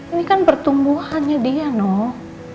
ini kan pertumbuhannya dia nol